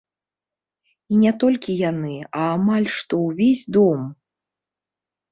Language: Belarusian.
І не толькі яны, а амаль што ўвесь дом.